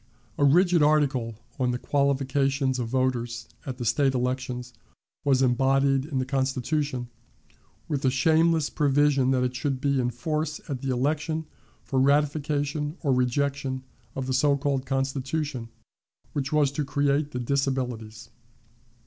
A rigid article on the qualifications of voters at the State elections was embodied in the Constitution, with the shameless provision that it should be in force at the election for ratification or rejection of the so called Constitution which was to create the disabilities.